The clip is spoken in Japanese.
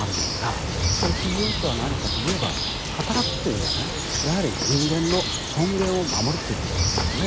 その基準とは何かといえば働くというのはねやはり人間の尊厳を守るということなんですね。